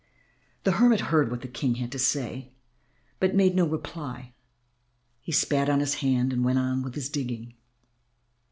The hermit heard what the King had to say, but made no reply. He spat on his hand and went on with his digging.